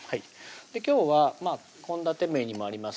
今日は献立名にもあります